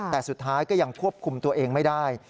แต่สุดท้ายก็ยังควบคุมตัวเองไม่ได้